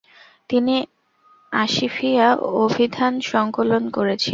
তিনি আসিফিয়া অভিধান সংকলন করেছিলেন।